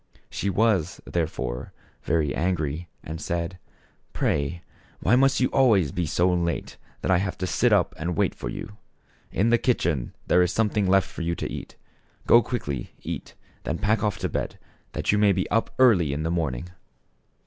She was, therefore, very angry and said :" Pray, why must you always be so late that I have to sit up and wait for you ? In the kitchen there is something left for you to eat. Go quickly, eat, and then pack off to bed that you may be up early in the morning."